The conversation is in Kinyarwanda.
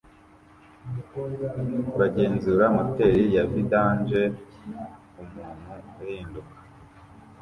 bagenzura moteri ya vintage umutuku uhinduka